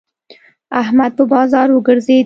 احمد په بازار وګرځېد.